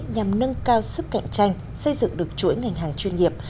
nhằm nâng cao sức cạnh tranh xây dựng được chuỗi ngành hàng chuyên nghiệp